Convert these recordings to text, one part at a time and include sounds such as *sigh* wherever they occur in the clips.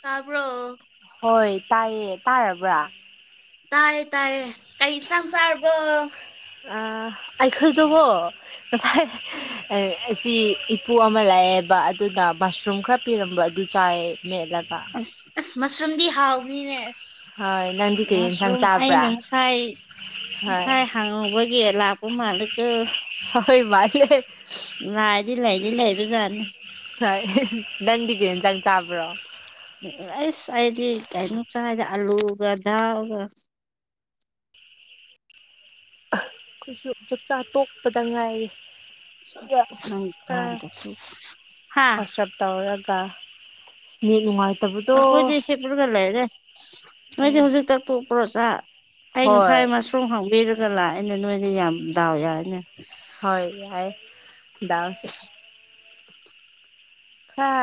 ꯇꯥꯕ꯭ꯔꯣ ꯍꯣꯏ ꯇꯥꯏꯌꯦ ꯇꯥꯔꯕ꯭ꯔꯥ ꯇꯥꯢꯌꯦ ꯇꯥꯏꯌꯦ ꯀꯩ ꯢꯟꯁꯥꯡ ꯆꯥꯔꯕꯣ ꯑ ꯑꯩꯈꯣꯏꯗꯣꯕꯣ ꯉꯁꯥꯏ ꯑꯁꯤ ꯏꯄꯨ ꯑꯃ ꯂꯥꯛꯑꯦꯕ ꯑꯗꯨꯅ ꯃꯁꯔꯨꯝ ꯈꯔ ꯄꯤꯔꯝꯕ ꯑꯗꯨ ꯆꯥꯏ ꯃꯦꯠꯂꯥꯒ ꯑꯁ ꯃꯁꯔꯨꯝꯗꯤ ꯍꯥꯎꯕꯅꯤꯅꯦ ꯑꯁ ꯍꯣꯏ ꯅꯪꯗꯤ ꯀꯔꯤ ꯌꯦꯟꯁꯥꯡ ꯃꯁꯔꯨꯝ ꯆꯥꯕ꯭ꯔꯥ ꯑꯩꯅ ꯉꯁꯥꯏ ꯍꯣꯏ ꯉꯁꯥꯏ ꯍꯥꯡꯍꯧꯕꯒꯤ ꯂꯥꯛꯄ ꯃꯥꯂꯤꯀꯣ ꯍꯣꯏ ꯍꯣꯢ ꯃꯥꯟꯂꯦ ꯂꯥꯏꯗꯤ ꯂꯩꯗꯤ ꯂꯩꯥꯕꯖꯥꯠꯅꯦ ꯍꯣꯢ ꯅꯪꯗꯤ ꯀꯩ ꯍꯤꯟꯖꯥꯡ ꯆꯥꯕ꯭ꯔꯣ ꯑꯁ ꯑꯗꯤ ꯀꯩꯅꯣ ꯆꯥꯢꯗ ꯑꯂꯨꯒ ꯗꯥꯜꯒ ꯑꯩꯈꯣꯏꯁꯨ ꯆꯥꯛꯆꯥꯥ ꯇꯣꯛꯄꯗ ꯉꯥꯏꯔꯤ ꯍꯪ ꯀꯝꯗꯗꯤ ꯍꯥ ꯋꯥꯆꯞ ꯇꯧꯔꯒ ꯅꯦꯠ ꯅꯨꯡꯉꯥꯏꯇꯕ ꯑꯩꯈꯣꯏꯗꯤ ꯍꯤꯞꯔꯒ ꯂꯩꯔꯦ ꯅꯣꯏꯗꯤ ꯍꯧꯖꯤꯛ ꯇ ꯇꯣꯛꯄ꯭ꯔꯣ ꯆꯥꯛ ꯑꯩ ꯍꯣꯏ ꯉꯁꯥꯏ ꯃꯁꯔꯨꯝ ꯔꯨꯝ ꯍꯥꯡꯕꯤꯔꯒ ꯂꯥꯛꯑꯦꯅꯦ ꯅꯣꯏꯗꯤ ꯌꯥꯝ ꯗꯥꯎ ꯌꯥꯢꯅꯦ ꯍꯣꯏ ꯌꯥꯏ ꯗꯥꯎꯁꯦ ꯈꯔ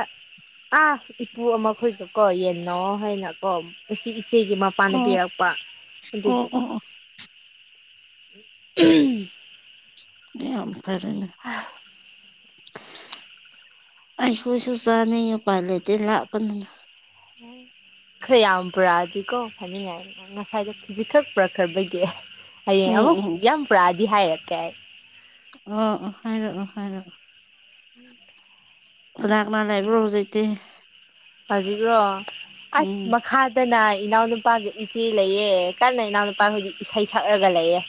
ꯑꯥ ꯏꯄꯨ ꯑꯃꯈꯣꯏꯒ ꯀꯣ ꯌꯦꯟ ꯌꯦꯟꯅꯋꯣ ꯍꯥꯏꯅ ꯀꯣ ꯏ ꯏꯆꯦꯒꯤ ꯃꯄꯥꯥꯅ ꯑꯣ ꯄꯤꯔꯛꯄ ꯑꯣ ꯑꯗꯨꯒꯤ ꯑꯣ ꯑꯣ ꯎꯝ ꯗꯦꯝ ꯐꯔꯦꯅꯦ ꯍꯥ ꯑꯩꯈꯣꯏꯁꯨ ꯆꯥꯅꯤꯛꯉꯦ ꯎꯄꯥꯏ ꯂꯩꯇꯦ ꯂꯥꯛꯄꯅꯤꯅ ꯈꯔ ꯌꯥꯝ ꯄꯨꯔꯛꯑꯗꯤꯀꯣ ꯍꯥꯏꯖꯤꯟꯅꯔꯅꯨ ꯉꯁꯥꯏꯗ ꯈꯤꯖꯤꯛꯈꯛ ꯄꯨꯔꯛꯈ꯭ꯔꯕꯒꯤ ꯍꯌꯦꯡ ꯎꯝ ꯑꯃꯨꯛ ꯎꯝ ꯌꯥꯝ ꯄꯨꯔꯛꯑꯗꯤ ꯍꯥꯏꯔꯛꯀꯦ ꯑꯩ ꯑꯣ ꯑꯣ ꯍꯥꯏꯔꯛꯑꯣ ꯍꯥꯏꯔꯛꯑꯣ *unintelligible* ꯀꯥꯅ ꯀꯥꯅ ꯂꯩꯕ꯭ꯔꯣ ꯍꯧꯖꯤꯛꯇꯤ ꯍꯧꯖꯤꯛꯔꯣ ꯑꯁ ꯎꯝ ꯃ ꯈꯥ ꯇꯅ ꯏꯅꯥꯎꯅꯨꯄꯥꯒꯤ ꯏꯆꯦ ꯂꯩꯌꯦ ꯀꯟꯅ ꯏꯅꯥꯎ ꯅꯨꯨꯄꯥ ꯍꯧꯖꯤꯛ ꯏꯁꯩ ꯁꯛꯂꯒ ꯂꯩꯌꯦ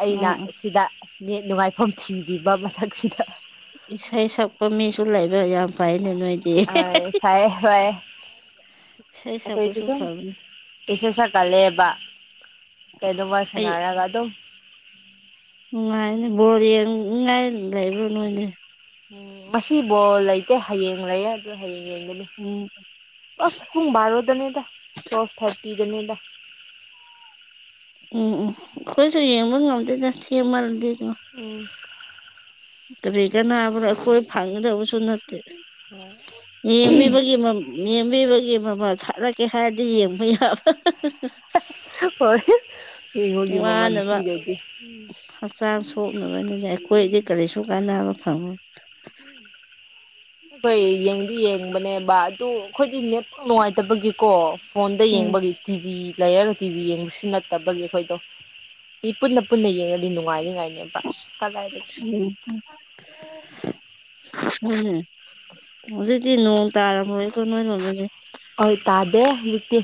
ꯑꯩꯅ ꯎꯝ ꯎꯝ ꯁꯤꯗ ꯅꯦꯠ ꯅꯨꯡꯉꯥꯏꯐꯝ ꯊꯤꯡꯔꯤꯕ ꯃꯊꯛꯁꯤꯗ ꯏꯁꯩ ꯁꯛꯄ ꯃꯤꯁꯨ ꯂꯩꯕ ꯌꯥꯝ ꯐꯩꯅꯦ ꯅꯣꯏ ꯑ ꯐꯩꯌꯦ ꯐꯩꯌꯦ ꯏꯁꯩ ꯑꯈꯣꯢꯗꯤ ꯁꯛꯄꯁꯨ ꯑꯗꯨꯝ ꯐꯕꯅꯤ ꯄꯩꯁꯦ ꯁꯛꯀꯠꯂꯦꯕ ꯀꯪꯅꯣꯃ ꯁꯥꯟꯅꯔꯒ ꯑꯗꯨꯝ ꯅꯨꯡꯉꯥꯏꯅꯦ ꯕꯣꯔ ꯌꯦꯡꯅꯤꯡꯉꯥꯏ ꯂꯩꯕ꯭ꯔꯣ ꯅꯣꯏꯗꯤ ꯎꯝ ꯉꯁꯤ ꯕꯣꯜ ꯂꯩꯇꯦ ꯍꯌꯦꯡ ꯂꯩꯌꯦ ꯑꯗꯨ ꯍꯌꯦꯡ ꯌꯦꯡꯒꯅꯤ ꯎꯝ ꯑꯁ ꯄꯨꯡ ꯕꯥꯔꯣꯗꯅꯤꯗ ꯇꯨꯋꯦꯜꯞ ꯊꯥꯔꯇꯤꯗꯅꯤꯗ ꯎꯝ ꯎꯝ ꯑꯩꯈꯣꯏꯁꯨ ꯌꯦꯡꯕ ꯉꯝꯗꯦꯗ ꯊꯦꯡꯃꯜꯗꯤ ꯑꯝ ꯀꯔꯤ ꯀꯅꯥꯕ꯭ꯔꯣ ꯑꯩꯈꯣꯏ ꯐꯪꯒꯗꯕꯁꯨ ꯅꯠꯇꯦ ꯌꯦꯡꯕꯤꯕꯒꯤ ꯃ ꯃꯦꯝꯕꯤꯕꯒꯤ ꯃꯃꯜ ꯊꯥꯠꯂꯛꯀꯦ ꯍꯥꯏꯔꯗꯤ ꯌꯦꯡꯕ ꯌꯥꯕ ꯍꯣꯏ ꯌꯦꯡꯉꯨꯒꯤ ꯃꯃꯜ ꯋꯥꯅꯕ ꯄꯤꯔꯗꯤ ꯎꯝ ꯍꯛꯆꯥꯡ ꯁꯣꯛꯅꯕꯅꯤꯅ ꯑꯩꯈꯣꯏꯗꯤ ꯀꯔꯤꯁꯨ ꯀꯥꯟꯅꯕ ꯐꯪꯉꯣꯏ ꯐꯩ ꯌꯦꯡꯗꯤ ꯌꯦꯡꯕꯅꯦ ꯕꯥ ꯑꯗꯨ ꯑꯩꯈꯣꯏꯗꯤ ꯅꯦꯠ ꯅꯨꯡꯉꯥꯏꯇꯕꯒꯤꯀꯣ ꯐꯣꯟꯗ ꯎꯝ ꯌꯦꯡꯕꯒꯤ ꯇꯤꯚꯤ ꯂꯩꯔ ꯇꯤꯚꯤ ꯌꯦꯡꯕꯁꯨ ꯅꯠꯇꯕꯒꯤ ꯑꯩꯈꯣꯏꯗꯣ ꯇꯤꯚꯤ ꯄꯨꯟꯅ ꯄꯨꯟꯅ ꯌꯦꯡꯉꯗꯤ ꯅꯨꯡꯉꯥꯏꯅꯤ ꯍꯥꯏꯅꯦꯕ *inaudible* *inaudible* ꯎꯝ ꯑꯗꯨꯗꯤ ꯅꯣꯡ ꯇꯥꯔꯝꯃꯣꯏ ꯀꯣ ꯅꯣꯢꯔꯣꯝꯗꯗꯤ ꯍꯣꯏ ꯇꯥꯗꯦ ꯍꯧꯖꯤꯛꯇꯤ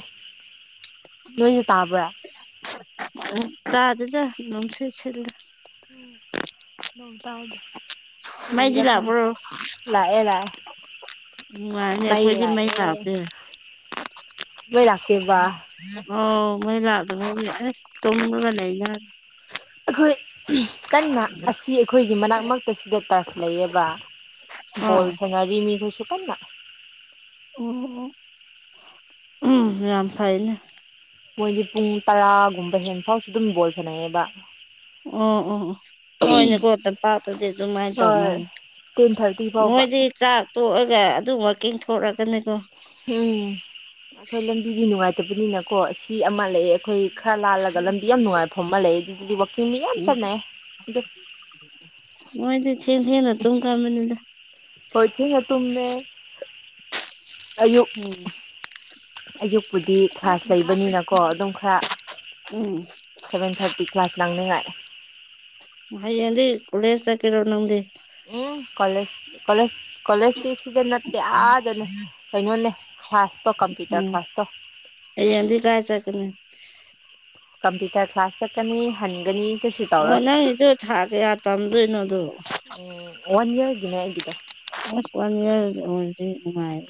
ꯅꯣꯏ ꯇꯥꯗꯦꯗ ꯅꯨꯡꯁꯤꯠ ꯁꯤꯠꯂꯤ *inaudible* ꯅꯣꯡ ꯇꯥꯗꯦ ꯃꯩꯗꯤ ꯀꯔꯤꯔꯥ ꯈꯪꯗꯦ ꯂꯥꯛꯄ꯭ꯔꯣ ꯂꯥꯛꯑꯦ ꯂꯥꯛꯑꯦ ꯅꯨꯡꯉꯥꯏꯅꯦ ꯑꯩꯈꯣꯏꯗꯤ ꯃꯩ ꯂꯥꯛꯇꯦ ꯃꯩ ꯂꯥꯛꯇꯦꯕ ꯑꯣ ꯃꯩ ꯂꯥꯛꯇꯕꯒꯤ ꯑꯁ ꯇꯨꯝꯃꯒꯥ ꯂꯩꯅꯥ ꯑꯩꯈꯣꯏ ꯀꯟꯅ ꯑꯁꯤ ꯑꯩꯈꯣꯏꯒꯤ ꯃꯅꯥꯛꯃꯛꯇꯁꯤꯗ ꯇꯔꯐ ꯂꯩꯌꯦꯕ ꯑꯣ ꯕꯣꯜ ꯁꯥꯅꯔꯤ ꯃꯤ ꯍꯣꯢꯁꯨ ꯀꯟꯅ ꯑꯣ ꯎꯝ ꯌꯥꯝ ꯐꯩꯅꯦ ꯃꯣꯏꯗꯤ ꯄꯨꯡ ꯇꯔꯥꯒꯨꯝꯕ ꯍꯦꯟ ꯐꯥꯎ ꯑꯗꯨꯝ ꯕꯣꯜ ꯁꯥꯟꯅꯩꯑꯦꯕ ꯑꯣ ꯑꯣ ꯑꯣ ꯍꯣꯏꯅꯦꯀꯣ ꯇꯝꯄꯥꯛꯇꯗꯤ ꯑꯗꯨꯃꯥꯏ ꯇꯧꯅ ꯍꯣꯏ ꯇꯦꯟ ꯊꯥꯔꯇꯤ ꯐꯥꯎꯕ ꯇꯣꯛꯑꯒ ꯑꯗꯨꯝ ꯋꯥꯀꯤꯡ ꯊꯣꯔꯛꯒꯅꯤꯀꯣ ꯎꯝ ꯑꯩꯈꯣꯏ ꯂꯝꯕꯤꯗꯤ ꯅꯨꯡꯉꯥꯏꯇꯕꯅꯤꯅꯀꯣ ꯑꯁꯤ ꯑꯃ ꯂꯩꯑꯦ ꯑꯩꯈꯣꯏ ꯈꯔ ꯂꯥꯜꯂꯒ ꯂꯝꯕꯤ ꯌꯥꯝ ꯅꯨꯡꯉꯥꯏꯐꯝ ꯑꯃ ꯂꯩꯌꯦ ꯑꯗꯨꯗꯤ ꯋꯥꯛꯀꯤꯡ ꯃꯤ ꯌꯥꯝ ꯆꯠꯅꯩꯌꯦ ꯅꯣꯏꯗꯤ ꯊꯦꯡ ꯊꯦꯡꯅ ꯇꯨꯝꯒꯟꯕꯅꯤꯗꯥ ꯍꯣꯏ ꯊꯦꯡꯅ ꯇꯨꯨꯝꯃꯦ ꯎꯝ ꯑꯌꯨꯛꯄꯨꯗꯤ ꯀ꯭ꯂꯥꯁ ꯂꯩꯕꯅꯤꯅꯀꯣ ꯑꯗꯨꯝ ꯈꯔ ꯎꯝ ꯁꯚꯦꯟ ꯊꯥꯔꯇꯤ ꯀ꯭ꯂꯥꯁ ꯅꯪꯅꯤꯉꯥꯏ ꯍꯌꯦꯡꯗꯤ ꯀꯣꯂꯦꯁ ꯆꯠꯀꯦꯔꯣ ꯅꯪꯗꯤ ꯎꯝ ꯀꯣꯂꯦꯖ ꯀꯣꯂꯦꯖ ꯀꯣꯂꯦꯖꯇꯤ ꯁꯤꯗ ꯅꯠꯇꯦ ꯑꯥꯗꯅꯦ ꯀꯩꯅꯣꯅꯦ ꯀ꯭ꯂꯥꯁꯇꯣ ꯀꯝꯄ꯭ꯌꯨꯇꯔ ꯎꯝ ꯀ꯭ꯂꯥꯁꯇꯣ ꯍꯌꯦꯡꯗꯤ ꯀꯥꯏ ꯆꯠꯀꯅꯤ ꯀꯝꯄ꯭ꯌꯨꯇꯔ ꯀ꯭ꯂꯥꯁ ꯆꯠꯀꯅꯤ ꯍꯟꯒꯅꯤ ꯀꯩꯁꯨ ꯑꯣ ꯇꯧꯔꯣꯏ ꯅꯪꯒꯤꯗꯨ ꯊꯥ ꯀꯌꯥ ꯇꯝꯗꯨꯏꯅꯣ ꯑꯗꯨ ꯎꯝ ꯋꯥꯟ ꯌꯔꯒꯤꯅꯦ ꯑꯩꯒꯤꯗꯣ ꯑꯁ ꯋꯥꯅꯤꯉꯥꯏ ꯂꯩꯇꯦ ꯑꯩꯉꯣꯟꯗꯗꯤ ꯅꯨꯡꯉꯥꯏ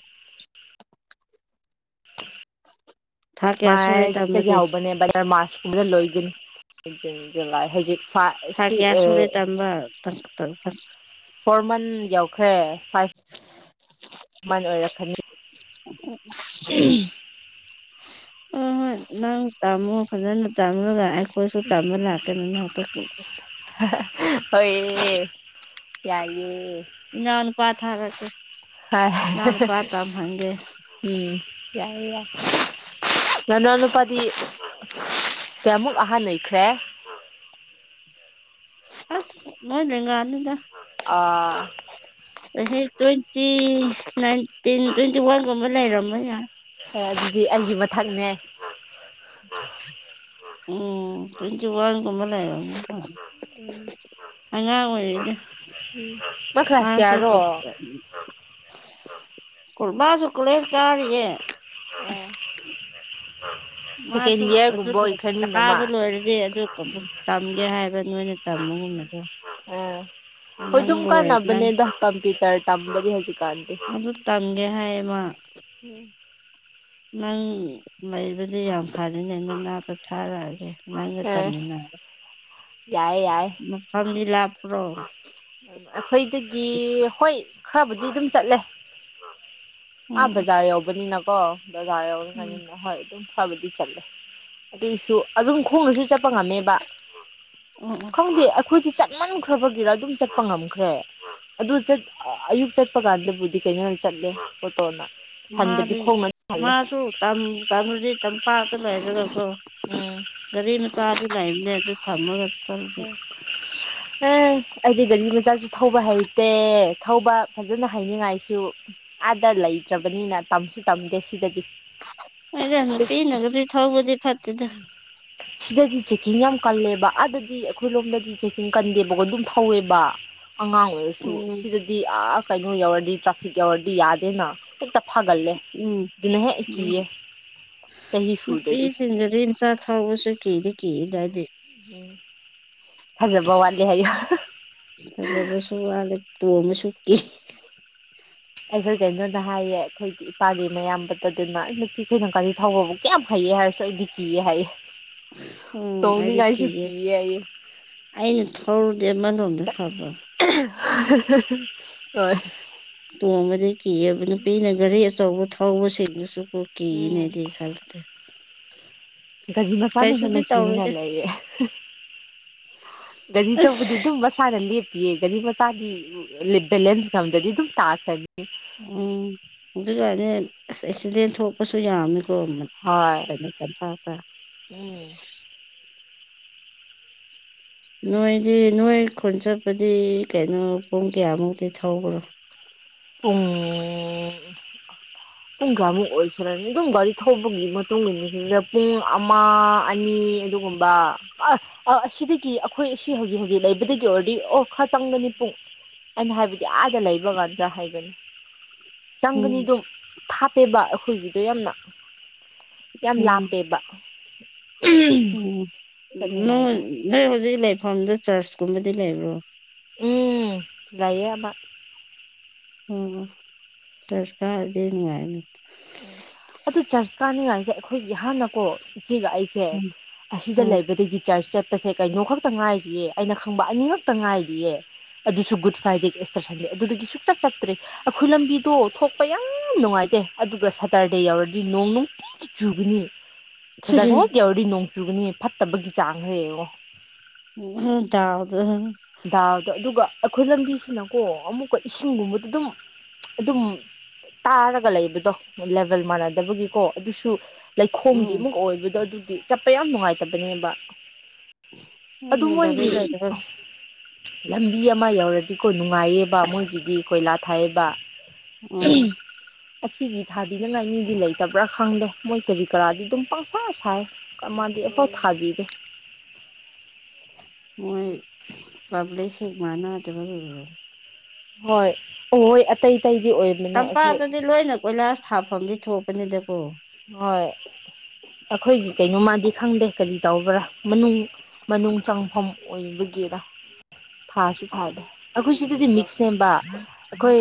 ꯊꯥ ꯀꯌꯥ ꯁꯨꯔꯦ ꯃꯥꯔꯆꯗꯒꯤ ꯇꯝꯕꯗꯤ ꯍꯧꯕꯅꯦꯕ ꯗꯔ ꯃꯥꯔꯆ ꯊꯥ ꯀꯌꯥ *unintelligible* *unintelligible* *unintelligible* ꯐꯣꯔ ꯃꯟ ꯌꯎꯈ꯭ꯔꯦ ꯐꯥꯏꯚ ꯃꯟ ꯑꯣꯏꯔꯛꯀꯅꯤ *inaudible* *unintelligible* ꯍꯣꯏ ꯍꯣꯏ ꯅꯪ ꯇꯝꯃꯣ ꯐꯖꯅ ꯇꯥꯃꯒ ꯑꯩꯈꯣꯏꯁꯨ ꯇꯝꯕ ꯂꯥꯛꯀꯦ ꯅꯅꯥꯛꯇ *inaudible* ꯍꯥꯍꯥ ꯍꯣꯏꯌꯦ ꯌꯥꯏꯌꯦ ꯏꯅꯥꯎꯅꯨꯄꯥ ꯊꯥꯔꯛꯀꯦ ꯍꯥꯏ ꯏꯅꯥꯎ ꯍꯍ ꯅꯨꯄꯥ *unintelligible* ꯇꯝꯍꯟꯒꯦ ꯎꯝ ꯌꯥꯏꯌꯦ ꯌꯥꯏ ꯅꯅꯥꯎꯅꯨꯄꯥꯗꯤ ꯀꯌꯥꯃꯨꯛ ꯑꯍꯟ ꯑꯣꯏꯈ꯭ꯔꯦ ꯑꯁ ꯅꯣꯏ ꯂꯦꯡꯒꯥꯅꯤꯗꯥ ꯑꯥ ꯆꯍꯤ ꯇ꯭ꯋ‌ꯦꯟꯇꯤ ꯅꯥꯏꯟꯇꯤꯟ ꯇ꯭ꯋꯦꯟꯇꯤ ꯋꯥꯟꯒꯨꯝꯕ ꯂꯩꯔꯝꯕ ꯌꯥ ꯑꯦ ꯑꯗꯨꯗꯤ ꯑꯩꯒꯤ ꯃꯊꯛꯅꯦ ꯎꯝ ꯇ꯭ꯋꯦꯟꯇꯤꯋꯥꯟ ꯒꯨꯝꯕ ꯂꯩꯔꯝꯗꯨꯏ ꯃꯥ ꯎꯝ ꯑꯉꯥꯡ ꯑꯣꯏꯔꯤꯗ ꯎꯝ ꯃꯥ ꯀ꯭ꯂꯥꯁ ꯃꯥꯁꯨꯨ ꯀꯌꯥꯔꯣ ꯀꯝꯄ ꯀꯨ ꯃꯥꯁꯨꯨ ꯀꯣꯂꯦꯁ ꯀꯥꯔꯤꯌꯦ ꯎꯝ ꯃꯥꯁꯨ ꯑꯗꯨꯗꯣ ꯃꯥ ꯀꯥꯕ ꯂꯣꯏꯔꯗꯤ ꯑꯗꯨ ꯀꯝꯄꯨ ꯇꯝꯒꯦ ꯍꯥꯏꯕ ꯅꯣꯏꯅ ꯇꯝꯕꯒꯨꯝꯅꯀꯣ ꯑꯥ ꯍꯣꯏ ꯑꯗꯨꯝ ꯅꯪ ꯀꯥꯟꯅꯕꯅꯦꯗ ꯀꯝꯄꯨꯇꯔ ꯇꯝꯕꯗꯤ ꯍꯧꯖꯤꯛꯀꯥꯟꯗꯤ ꯑꯗꯨ ꯇꯝꯒꯦ ꯍꯥꯏꯌꯦ ꯃꯥ ꯎꯝ ꯅꯪ ꯂꯩꯕꯗꯤ ꯌꯥꯝ ꯐꯔꯦꯅꯦ ꯅꯅꯥꯛꯇ ꯊꯥꯔꯛꯑꯒꯦ ꯅꯪꯒ ꯑ ꯇꯝꯃꯤꯟꯅꯔꯣ ꯌꯥꯏꯌꯦ ꯌꯥꯏ ꯃꯐꯝꯗꯤ ꯂꯥꯞꯄ꯭ꯔꯣ ꯑꯩꯈꯣꯏꯗꯒꯤ ꯍꯣꯏ ꯈꯔꯕꯨꯗꯤ ꯑꯗꯨꯝ ꯆꯠꯂꯦ ꯑꯥ ꯎꯝ ꯕꯖꯥꯔ ꯌꯧꯕꯅꯤꯅꯀꯣ ꯕꯖꯥꯔ ꯎꯝ ꯌꯧꯔꯕꯅꯤꯅ *unintelligible* ꯍꯣꯏ ꯑꯗꯨꯝ ꯈꯔꯕꯨꯗꯤ ꯆꯠꯂꯦ ꯑꯗꯨꯁꯨ ꯑꯗꯨꯝ ꯈꯣꯡꯅꯁꯨ ꯆꯠꯄ ꯉꯝꯃꯦꯕ ꯎꯝ ꯎꯝ ꯈꯪꯗꯦ ꯑꯩꯈꯣꯏꯗꯤ ꯆꯠ ꯃꯟꯈ꯭ꯔꯕꯒꯤꯔꯥ ꯑꯗꯨꯝ ꯆꯠꯄ ꯉꯝꯈ꯭ꯔꯦ ꯑꯗꯨ ꯆꯠ ꯑꯌꯨꯛ ꯆꯠꯄ ꯀꯥꯟꯗꯕꯨꯗꯤ ꯀꯩꯅꯣꯗ ꯆꯠꯂꯦ ꯑꯣꯇꯣꯅꯥ ꯃꯥꯗꯤ ꯃꯥꯁꯨ ꯇꯝ ꯇꯝꯔꯗꯤ ꯇꯝꯄꯥꯛꯇ ꯂꯩꯔꯒꯀꯣ ꯎꯝ ꯒꯥꯔꯤ ꯃꯆꯥꯗꯤ ꯂꯩꯕꯅꯦ ꯑꯗꯨ ꯇꯝꯃꯒ ꯆꯠꯂꯗꯤ ꯑꯦ ꯑꯩꯗꯤ ꯒꯥꯔꯤ ꯃꯆꯥꯁꯨ ꯊꯧꯕ ꯍꯩꯇꯦ ꯊꯧꯕ ꯐꯖꯅ ꯍꯩꯅꯤꯡꯉꯥꯏꯁꯨ ꯑꯥꯗ ꯂꯩꯇ꯭ꯔꯕꯅꯤꯅ ꯇꯝꯁꯨ ꯇꯝꯗꯦ ꯁꯤꯗꯗꯤ ꯍꫭꯏꯗꯥ ꯁꯤꯗ ꯅꯨꯄꯤꯅ ꯒꯥꯔꯤ ꯊꯧꯕꯗꯤ ꯐꯠꯇꯦꯗ ꯁꯤꯗꯗꯤ ꯆꯦꯛꯀꯤꯡ ꯌꯥꯝ ꯀꯜꯂꯦꯕ ꯑꯗꯗꯤ ꯁꯤ ꯑꯩꯈꯣꯏ ꯔꫭꯝꯗꯗꯤ ꯆꯦꯛꯀꯤꯡ ꯀꯟꯗꯦꯕꯀꯣ ꯑꯗꯨꯝ ꯊꯧꯋꯦꯕ ꯑꯉꯥꯡ ꯑꯣꯏꯔꯁꯨ ꯎꯝ ꯁꯤꯗꯗꯤ ꯑꯥ ꯀꯩꯅꯣ ꯌꯧꯔꯗꯤ ꯇ꯭ꯔꯥꯐꯤꯛ ꯌꯧꯔꯗꯤ ꯌꯥꯗꯦꯅ ꯍꯦꯛꯇ ꯐꯥꯒꯜꯂꯦ ꯢꯂꯤꯡꯍꯦꯛ ꯀꯤꯌꯦ ꯆꯍꯤ ꯁꯨꯗ꯭ꯔꯗꯤ ꯅꯨꯄꯤꯁꯤꯡꯒꯗꯤ ꯒꯔꯤ ꯃꯆꯥ ꯊꯥꯎꯕꯁꯨ ꯀꯤꯗꯤ ꯀꯤꯌꯦꯗ ꯑꯩꯗꯤ ꯎꯝ ꯐꯖꯕ ꯋꯥꯠꯂꯦ ꯍꯥꯢꯌꯣ ꯐꯖꯕꯁꯨ ꯋꯥꯠꯂꯦ ꯇꯣꯡꯕꯁꯨ ꯀꯤ ꯑꯩꯗꯨ ꯀꯩꯅꯣꯗ ꯍꯥꯏꯌꯦ ꯑꯩꯈꯣꯏꯒꯤ ꯏꯄꯥꯒꯤ ꯃꯌꯥꯝꯕꯗꯣ ꯑꯗꯨꯅ ꯅꯨꯄꯤ ꯈꯣꯏꯅ ꯒꯥꯔꯤ ꯊꯧꯕ ꯃꯨꯛ ꯀꯌꯥꯝ ꯍꯩꯌꯦ ꯍꯥꯏꯔꯁꯨ ꯑꯩꯗꯤ ꯀꯤꯌꯦ ꯍꯥꯏꯌꯦ ꯎꯝ ꯑꯩꯗꯤ ꯇꯣꯡꯅꯤꯡꯉꯥꯏꯁꯨ ꯀꯤꯌꯦ ꯍꯥꯏꯌꯦ ꯑꯩꯅ ꯊꯧꯔꯗꯤ ꯑꯃꯥ ꯅꫭꯝꯗ ꯐꯕ ꯍꯣꯏ ꯇꯣꯡꯕꯗꯤ ꯀꯤꯑ‌ꯦꯕ ꯅꯨꯄꯤꯅ ꯒꯔꯤ ꯑꯆꯧꯕ ꯊꯧꯕꯁꯤꯡꯗꯨꯁꯨ ꯀꯤꯌꯦꯅꯦ ꯎꯝ ꯑꯩꯗꯤ ꯈꯔꯒꯛꯇꯤ *unintelligible* ꯒꯔꯤ ꯃꯆꯥꯅ ꯀꯩꯁꯨꯗꯤ ꯍꯦꯟꯅ ꯀꯤꯅꯤꯡꯉꯥꯢ ꯇꯧꯔꯣꯏꯗ ꯂꯩꯌꯦ ꯒꯥꯔꯤ ꯆꯧꯕꯗꯤ ꯑꯁ ꯑꯗꯨꯝ ꯃꯁꯥꯅ ꯂꯦꯟ ꯌꯦ ꯒꯔꯤ ꯃꯆꯥꯗꯤ ꯕꯦꯂꯦꯟꯁ ꯉꯝꯗ꯭ꯔꯗꯤ ꯑꯗꯨꯝ ꯇꯥꯈꯔꯅꯤ ꯎꯝ ꯑꯗꯨꯒꯅꯦ ꯑꯁ ꯑꯦꯛꯁꯤꯗꯦꯟ ꯊꯣꯛꯄꯁꯨ ꯌꯥꯝꯃꯦ ꯍꯣꯏ ꯎꯝ *unintelligible* ꯅꯣꯏꯗꯤ ꯅꯣꯏ ꯈꯨꯟ ꯆꯠꯄꯗꯤ ꯀꯩꯅꯣ ꯄꯨꯡ ꯀꯌꯥꯃꯨꯛꯇꯤ ꯊꯧꯕ꯭ꯔꯣ ꯄꯨꯡ꯬꯬꯬꯬꯬꯬꯬꯬ ꯄꯨꯡ ꯀꯌꯥꯃꯨꯛ ꯑꯣꯏꯁꯤꯔꯅꯤ ꯑꯗꯨꯝ ꯒꯥꯔꯤ ꯊꯧꯕꯒꯤ ꯃꯇꯨꯡ ꯏꯟꯅ ꯄꯨꯡ ꯑꯃ ꯑꯅꯤ ꯑꯗꯨꯒꯨꯝꯕ ꯑꯁ ꯑꯁꯤꯗꯒꯤ ꯑꯩꯈꯣꯏ ꯑꯁꯤ ꯍꯧꯖꯤꯛ ꯍꯧꯖꯤꯛ ꯂꯩꯕꯗꯒꯤ ꯑꯣꯏꯔꯗꯤ ꯑꯣ ꯈꯔ ꯆꯪꯒꯅꯤ ꯄꯨꯡ ꯑꯩꯅ ꯍꯥꯏꯕꯗꯤ ꯑꯥꯗ ꯂꯩꯕ ꯀꯥꯟꯗ ꯑꯣꯖꯥ ꯍꯥꯏꯒꯅꯤ ꯎꯝ ꯆꯪꯒꯅꯤꯗꯣ ꯊꯥꯞꯄꯦꯕ ꯑꯩꯈꯣꯏꯒꯤꯗꯣ ꯌꯥꯝꯅ ꯌꯥꯝ ꯎꯝ ꯂꯥꯞꯄꯦꯕ ꯎꯝ ꯅꯣꯏ ꯆꯠꯅꯤꯡꯉꯥꯏꯗꯣ ꯅꯣꯏ ꯍꯧꯖꯤꯛ ꯂꯩꯐꯝꯗꯣ ꯆ꯭ꯔꯁꯀꯨꯝꯕꯗꯤ ꯂꯩꯕ꯭ꯔꯣ ꯎꯝ ꯂꯩꯌꯦ ꯑꯃ ꯎꯝ ꯆ꯭ꯔꯁ ꯀꯥꯔꯗꯤ ꯅꯨꯉꯥꯏ ꯑꯗꯨ ꯆꯔꯁ ꯀꯥꯅꯤꯉꯥꯏꯗ ꯑꯩꯈꯣꯏꯒꯤ ꯍꯥꯟꯅꯀꯣ ꯏꯆꯦꯒ ꯑꯩ ꯑꯦ ꯎꯝ ꯑꯁꯤꯗ ꯎꯝ ꯂꯩꯕꯗꯒꯤ ꯆ꯭ꯔꯁ ꯆꯠ ꯄꯁꯦ ꯀꯩꯅꯣ ꯈꯛꯇ ꯉꯥꯏꯔꯤꯌꯦ ꯑꯩꯅ ꯈꯪꯕ ꯑꯅꯤꯈꯛꯇ ꯉꯥꯏꯔꯤꯌꯦ ꯑꯗꯨꯁꯨ ꯒꯨꯗ ꯐ꯭ꯔꯥꯏꯗꯦꯒ ꯏꯁꯇꯔ ꯁꯟꯗꯦ ꯑꯗꯨꯗꯒꯤ ꯁꯨꯛꯆꯠ ꯆꯠꯇ꯭ꯔꯦ ꯑꯩꯈꯣꯏ ꯂꯝꯕꯤꯗꯣ ꯊꯣꯛꯄ ꯌꯥꯝ ꯅꯨꯡꯉꯥꯏꯇꯦ ꯑꯗꯨꯒ ꯁꯇ꯭ꯔꯗꯦ ꯌꯥꯎꯔꯗꯤ ꯅꯣꯡ ꯅꯨꯡꯇꯤꯒꯤ ꯆꯨꯒꯅꯤ ꯁꯇ꯭ꯔꯗꯦ ꯌꯧꯔꯗꯤ ꯅꯣꯡ ꯆꯨꯒꯅꯤ ꯐꯠꯇꯕꯒꯤ ꯆꯥꯡꯁꯦ ꯌꯦꯡꯉꯣ ꯗꯥꯎ ꯗꯣ ꯎꯝ ꯗꯥꯎꯗꯣ ꯑꯗꯨꯒ ꯑꯩꯈꯣꯏ ꯂꯝꯕꯤꯁꯤꯅꯀꯣ ꯑꯃꯨꯛꯀ ꯏꯁꯤꯡꯒꯨꯝꯕꯗ ꯑꯗꯨꯝ ꯑꯗꯨꯝ ꯇꯥꯔꯒ ꯂꯩꯕꯗꯣ ꯂꯦꯕꯦꯜ ꯃꯥꯟꯅꯗꯕꯒꯤꯀꯣ ꯑꯗꯨꯁꯨ ꯂꯩꯈꯣꯝꯒꯤ ꯎꯝ ꯑꯃꯨꯛ ꯑꯣꯏꯕꯗꯣ ꯑꯗꯨꯒꯤ ꯆꯠꯄ ꯌꯥꯝ ꯅꯨꯡꯉꯥꯏꯇꯕꯅꯦꯕ ꯑꯗꯨ ꯒꯥꯔꯤ ꯃꯣꯏꯒꯤ ꯂꯩꯇꯕ ꯂꯝꯕꯤ ꯑꯃ ꯌꯧꯔꯗꯤꯀꯣ ꯅꯨꯡꯉꯥꯏꯌꯦꯕ ꯃꯣꯏꯒꯤꯗꯤ ꯀꯣꯏꯂꯥ ꯊꯥꯏꯑꯦꯕ ꯎꯝ ꯑꯁꯤꯒꯤ ꯊꯥꯕꯤꯒꯅꯥꯏ ꯃꯤꯗꯤ ꯂꯩꯇꯕ꯭ꯔꯥ ꯈꯪꯗꯦ ꯃꯣꯏ ꯀꯔꯤ ꯀꯔꯥꯗꯤ ꯑꯗꯨꯝ ꯄꯥꯛꯁꯥ ꯁꯥꯏ ꯀ ꯃꯥꯟꯗꯤ ꯑꯐꯥꯎ ꯊꯥꯕꯤꯗꯦ ꯃꯣꯏ ꯄꯥꯕ꯭ꯂꯤꯛ ꯁꯤꯡ ꯑꯃꯥꯢꯅ ꯇꯨꯝꯃꯝ ꯃꯤꯅꯦ ꯍꯣꯏ ꯑꯣ ꯑꯇꯩ ꯑꯇꯩꯗꯤ ꯑꯣꯏꯕ ꯇꯝꯄꯥꯛꯇꯗꯤ ꯂꯣꯏꯅ ꯀꯣꯏꯂꯥꯁ ꯊꯥꯐꯝꯗꯤ ꯊꯣꯛꯄꯅꯤꯗꯀꯣ ꯍꯣꯏ ꯑꯩꯈꯣꯏꯒꯤ ꯀꯩꯅꯣꯃꯗꯤ ꯈꯪꯗꯦ ꯀꯔꯤ ꯇꯧꯕ꯭ꯔꯥ ꯃꯅꯨꯡ ꯃꯅꯨꯡ ꯆꯪꯐꯝ ꯑꯣꯏꯕꯒꯤꯔ ꯊꯥꯁꯨ ꯊꯥꯗꯦ ꯑꯩꯈꯣꯏ ꯁꯤꯗꯗꯤ ꯃꯤꯛꯁ ꯁꯦꯝꯕ ꯑꯩꯈꯣꯏ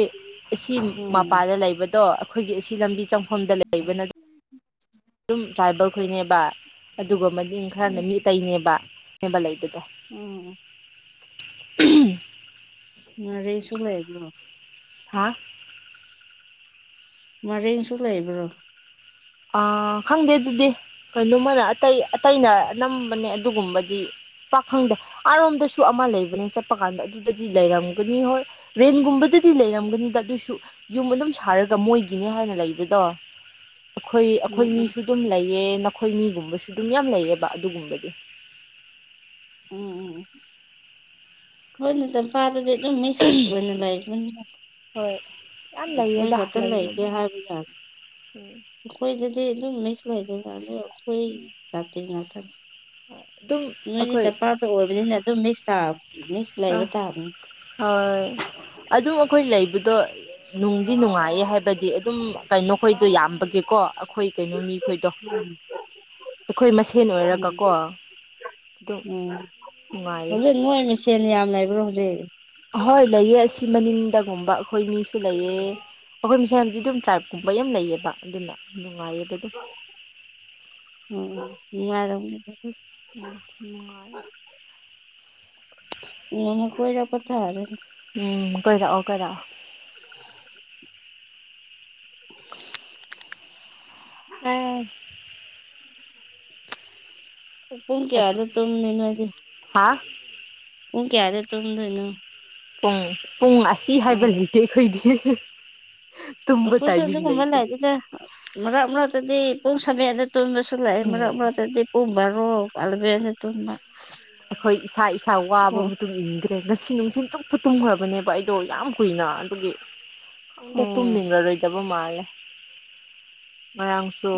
ꯑꯁꯤ ꯎꯝ ꯃꯄꯥꯟꯗ ꯂꯩꯕꯗꯣ ꯑꯩꯈꯣꯏꯒꯤ ꯑꯁꯤ ꯂꯝꯕꯤ ꯆꯪꯐꯝꯗ ꯂꯩꯕꯅ ꯑꯗꯨꯝ ꯇ꯭ꯔꯥꯏꯕꯦꯜ ꯈꯣꯏꯅꯦꯕ ꯑꯗꯨꯒ ꯃꯅꯤꯡ ꯈꯔꯅ ꯎꯝ ꯃꯤꯇꯩꯅꯦꯕ ꯅꯦꯕ ꯂꯩꯕꯗꯣ ꯎꯝ *inaudible* ꯉꯔꯦꯁꯨ ꯂꯩꯕ꯭ꯔꯣ ꯍꯥ ꯉꯔꯦꯡꯁꯨ ꯂꯩꯕ꯭ꯔꯣ ꯑ ꯈꯪꯗꯦ ꯑꯗꯨꯗꯤ ꯀꯩꯅꯣꯝꯃꯅ ꯑꯇꯩ ꯑꯇꯩꯅ ꯅꯝꯕꯅꯦ ꯑꯗꯨꯒꯨꯝꯕꯗꯤ ꯄꯥꯛ ꯈꯪꯗꯦ ꯑꯥꯔꯣꯝꯗꯁꯨ ꯑꯃ ꯂꯩꯕꯅꯦ ꯆꯠꯄ ꯀꯥꯟꯗ ꯑꯗꯨꯗꯗꯤ ꯂꯩꯔꯝꯒꯅꯤ ꯍꯣꯏ ꯔꯦꯟꯒꯨꯝꯕꯗꯗꯤ ꯂꯩꯔꯝꯒꯅꯤꯗ ꯑꯗꯨꯁꯨ ꯌꯨꯝ ꯑꯗꯨꯝ ꯁꯥꯔꯒ ꯃꯣꯏꯒꯤꯅꯤ ꯍꯥꯏꯅ ꯂꯩꯕꯗꯣ ꯑꯈꯣꯏ ꯎꯝ ꯑꯈꯣꯏ ꯎꯝ ꯃꯤꯁꯨ ꯑꯗꯨꯝ ꯂꯩꯌꯦ ꯅꯈꯣꯏ ꯃꯤꯒꯨꯝꯕꯁꯨ ꯑꯗꯨꯝ ꯌꯥꯝ ꯂꯩꯌꯦꯕ ꯑꯗꯨꯒꯨꯝꯕꯗꯤ ꯎꯝ ꯎꯝ ꯍꯣꯏꯅꯦ *unintelligible* ꯃꯥꯟꯅꯤꯅꯦ ꯑꯗꯨꯝ ꯃꯤꯛꯁ ꯑꯣꯏꯅ ꯂꯩꯕꯅꯤꯅ ꯍꯣꯏ ꯌꯥꯝ ꯑꯈꫭꯏ ꯂꯩꯌꯦꯗ ꯈꯛꯇ ꯂꯩꯒꯦ ꯂꯩꯕꯕꯨ ꯍꯥꯏꯕ *unintelligible* ꯎꯝ ꯑꯈꯣꯏꯗꯗꯤ ꯑꯗꯨꯝ ꯃꯤꯛꯁ ꯂꯩꯇꯦꯅ ꯑꯗꯨꯝ ꯑꯈꯣꯏ ꯖꯥꯇꯤ ꯉꯥꯛꯇꯅꯤ ꯑꯗꯨꯝ ꯅꯣꯏꯗꯤ ꯑꯩꯈꯣꯏ ꯇꯝꯄꯥꯛꯇ ꯑꯣꯏꯕꯅꯤꯅ ꯑꯗꯨꯝ ꯃꯤꯛꯁ ꯇꯥ ꯃꯤꯛꯁ ꯑ ꯂꯩꯕ ꯇꯥꯕꯅꯤ ꯍꯣꯏ ꯑꯗꯨꯝ ꯑꯈꯣꯏ ꯂꯩ ꯕꯗꯣ ꯅꯨꯡꯗꯤ ꯅꯨꯡꯉꯥꯏꯌꯦ ꯍꯥꯏꯕꯗꯤ ꯑꯗꯨꯝ ꯀꯩꯅꯣꯈꯣꯏꯗꯣ ꯌꯥꯝ ꯕꯒꯤꯀꯣ ꯑꯈꯣꯏ ꯀꯩꯅꯣ ꯃꯤ ꯈꯣꯏꯗꯣ ꯎꯝ ꯑꯩꯈꯣꯏ ꯃꯁꯦꯟ ꯑꯣꯏꯔꯒꯀꯣ ꯑꯗꯨꯝ ꯎꯝ ꯅꯨꯡꯉꯥꯏ ꯍꯧꯖꯤꯛ ꯅꯣꯏ ꯃꯁꯦꯟ ꯌꯥꯝ ꯂꯩꯕ꯭ꯔꯣ ꯍꯧꯖꯤꯛ ꯑꯍꯣꯏ ꯂꯩꯌꯦ ꯑꯁꯤ ꯃꯅꯤꯡꯗꯒꯨꯝꯕ ꯑꯈꯣꯏ ꯃꯤ ꯁꯨ ꯂꯩꯌꯦ ꯑꯈꯣꯏ ꯃꯁꯦꯟꯗꯤ ꯑꯗꯨꯝ ꯇ꯭ꯔꯥꯏꯞꯀꯨꯝꯕ ꯌꯥꯝ ꯂꯩꯌꯦꯕ ꯑꯗꯨꯅ ꯅꯨꯡꯉꯥꯏꯌꯦꯕ ꯑꯗꯨꯝ ꯎꯝ ꯅꯨꯡꯉꯥꯏꯔꯝꯒꯅꯤ *unintelligible* ꯎꯝ ꯅꯨꯡꯉꯥꯏꯌꯦ ꯅꯣꯡꯃ ꯀꯣꯏꯔꯛꯄ ꯇꯥꯔꯦ ꯎꯝ ꯀꯣꯏꯔꯛꯑꯣ ꯀꯣꯏꯔꯛꯑꯣ *unintelligible* ꯄꯨꯡ ꯀꯌꯥꯗ ꯇꯨꯝꯃꯤ ꯅꯣꯏꯗꯤ ꯍꯥꯥ ꯄꯨꯡ ꯀꯌꯥꯗ ꯇꯨꯝꯗꯣꯏꯅꯣ ꯄꯨꯡ ꯄꯨꯡ ꯑꯁꯤ ꯑꯣ ꯍꯥꯏꯕ ꯂꯩꯇꯦ ꯑꯩꯈꯣꯏꯒꯤ *unintelligible* ꯇꯨꯝꯕ ꯑꯩꯈꯣꯏꯁꯨ ꯇꯥꯏꯃꯤꯡ ꯑꯗꯨꯒꯨꯝꯕ ꯂꯩꯇꯦ ꯂꯩꯇꯦꯗ ꯃꯔꯛ ꯃꯔꯛꯇꯗꯤ ꯄꯨꯡ ꯁꯕꯦꯟꯗ ꯇꯨꯝꯕꯁꯨ ꯂꯩꯌꯦ ꯃꯔꯛ ꯎꯝ ꯃꯔꯛꯇꯗꯤ ꯄꯨꯡ ꯕꯥꯔꯣ ꯑꯂꯕꯦꯟꯗ ꯇꯨꯝꯕ ꯑꯈꯣꯏ ꯏꯁꯥ ꯏꯁꯥ ꯋꯥꯕ ꯑꯣ ꯃꯇꯨꯡ ꯏꯟꯒ ꯉꯁꯤ ꯅꯨꯡꯊꯤꯟ ꯆꯨꯞꯄ ꯇꯨꯝꯈ꯭ꯔꯕꯅꯦꯕ ꯑꯩꯗꯣ ꯌꯥꯝ ꯀꯨꯏꯅ ꯑꯗꯨꯒꯤ ꯈꯪꯗꯦ ꯇꯨꯝꯅꯤꯡꯂꯔꯣꯏꯗꯕ ꯃꯥꯜꯂꯦ ꯉꯔꯥꯡꯁꯨ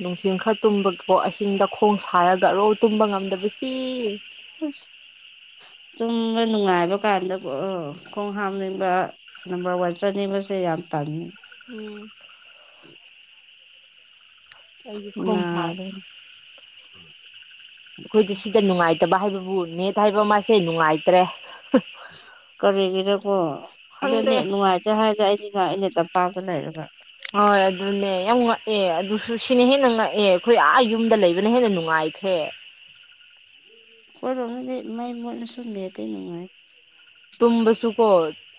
ꯅꯨꯡꯊꯤꯟ ꯈꯔ ꯇꯨꯝꯕꯒꯤꯀꯣ ꯑꯍꯤꯡꯗ ꯈꯣꯡ ꯁꯥꯔꯒ *unintelligible* ꯇꯨꯝꯕ ꯉꯝꯗꯕꯁꯤ ꯑꯁ ꯇꯨꯝꯕ ꯅꯨꯡꯉꯥꯏꯕ ꯀꯥꯟꯗꯀꯣ ꯈꯣꯡ ꯍꯥꯝꯅꯤꯡꯕ ꯅꯝꯕꯔ ꯋꯥꯟ ꯆꯠꯅꯤꯡꯕꯁꯦ ꯌꯥꯝ ꯇꯟꯂꯦ ꯎꯝ ꯑꯩꯒꯤ ꯈꯣꯡ ꯁꯥꯏ ꯅꯥꯗꯣꯏꯅꯤ ꯑꯈꯣꯏꯗꯤ ꯁꯤꯗ ꯅꯨꯡꯉꯥꯏꯇꯕ ꯍꯥꯏꯕꯕꯨ ꯅꯦꯠ ꯍꯥꯏꯕ ꯃꯥꯁꯦ ꯅꯨꯡꯉꯥꯏꯇ꯭ꯔꯦ ꯀꯔꯤꯒꯤꯔꯀꯣ ꯈꯪꯗꯦ ꯑꯗꯨꯅꯦ ꯅꯨꯡꯉꯥꯏ ꯇꯦ ꯍꯥꯏꯔꯒ ꯑꯩꯗꯤ *unintelligible* ꯑꯩꯅ ꯇꯝꯄꯥꯝꯇ ꯂꯩꯔꯒ ꯍꯣꯏ ꯑꯗꯨꯅꯦ ꯌꯥꯝ ꯉꯛꯑꯦ ꯑꯗꯨꯁꯨ ꯁꯤꯅ ꯍꯦꯟꯅ ꯉꯛꯑꯦ ꯑꯈꯣꯏ ꯑꯥ ꯌꯨꯝꯗ ꯂꯩꯕꯅ ꯍꯦꯟꯅ ꯅꯨꯡ ꯉꯥꯏꯈ꯭ꯔꯦ ꯈꯣꯏꯔꯣꯝꯗꯗꯤ ꯃꯩ ꯃꯨꯠꯂꯁꯨ ꯅꯦꯠꯇꯤ ꯅꯨꯡꯉꯥꯏ ꯇꯨꯝꯕꯁꯨꯀꯣ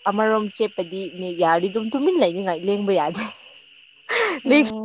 ꯑꯃꯔꯣꯝ ꯆꯦꯞꯄꯗꯤ ꯅꯦꯠ ꯌꯥꯔꯗꯤ ꯑꯗꯨꯝ ꯇꯨꯃꯤꯟ ꯂꯩꯅꯤꯡꯉꯥꯏ ꯂꯦꯡꯕ ꯌꯥꯗꯦ ꯂꯦꯡ ꯎꯝ